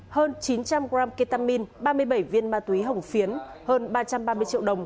hơn chín trăm linh g ketamine ba mươi bảy viên ma túy hồng phiến hơn ba trăm ba mươi triệu đồng